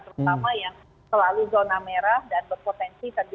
terutama yang selalu zona merah dan berpotensi terjadi